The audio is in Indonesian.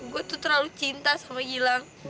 gue tuh terlalu cinta sama hilang